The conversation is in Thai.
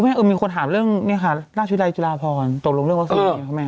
เออมีคนถามเรื่องราชวิทยาลัยจุฬาพรตกลงเรื่องว่าสินะครับแม่